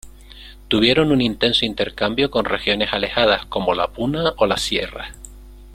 Tuvieron un intenso intercambio con regiones alejadas como la Puna o las sierras.